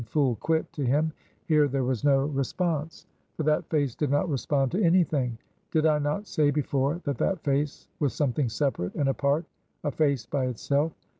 Fool! Quit! to him; here there was no response. For that face did not respond to any thing. Did I not say before that that face was something separate, and apart; a face by itself?